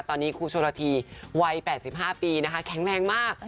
ตอนนี้ครูชนละทีวัย๘๕ปีนะคะแข็งแรงมาก